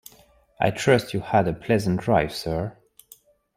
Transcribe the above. I trust you had a pleasant drive, sir.